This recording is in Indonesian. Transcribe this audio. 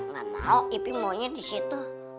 gak mau iping maunya disitu